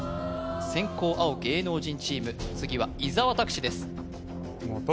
先行青芸能人チーム次は伊沢拓司です